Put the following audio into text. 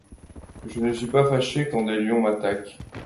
Je ne suis pas fâché quand des lions m'attaquent ;